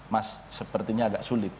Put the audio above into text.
mas sepertinya agak sulit